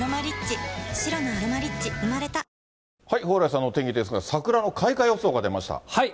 蓬莱さんのお天気ですが、桜の開花予想が出ました。